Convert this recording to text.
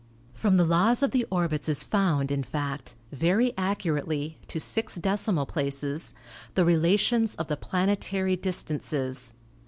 From the laws of the orbits is found, in fact, very accurately (to six decimal places) the relations of the planetary distances.